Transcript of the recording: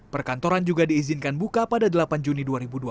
perkantoran juga diizinkan buka pada delapan juni dua ribu dua puluh